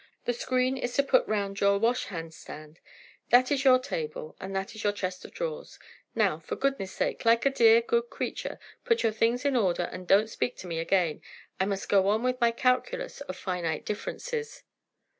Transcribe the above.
The screen is to put round your washhand stand. That is your table, and that is your chest of drawers. Now, for goodness' sake, like a dear, good creature, put your things in order, and don't speak to me again. I must go on with my calculus of finite differences."